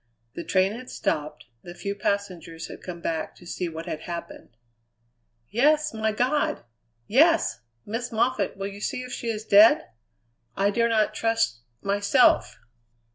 The train had stopped; the few passengers had come back to see what had happened. "Yes; my God! Yes! Miss Moffatt, will you see if she is dead? I dare not trust myself."